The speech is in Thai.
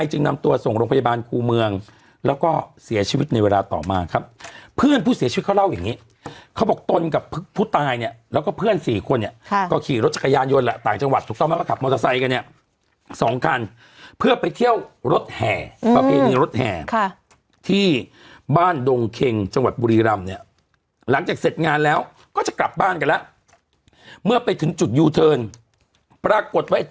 จึงนำตัวส่งโรงพยาบาลคุมเมืองแล้วก็เสียชีวิตในเวลาต่อมาครับเพื่อนผู้เสียชีวิตเขาเล่าอย่างนี้เขาบอกตนกับผู้ตายเนี่ยแล้วก็เพื่อนสี่คนเนี่ยก็ขี่รถจักรยานโยนละต่างจังหวัดถูกต้องก็ขับมอเตอร์ไซค์กันเนี่ยสองกันเพื่อไปเที่ยวรถแห่ประเภทรถแห่ที่บ้านดงเข็งจังหวัดบุรีรำเนี่ยหลั